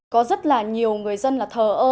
có rất là nhiều người dân là thờ ơ